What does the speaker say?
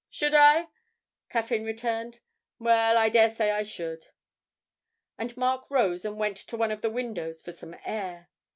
'Should I?' Caffyn returned; 'well, I daresay I should.' And Mark rose and went to one of the windows for some air.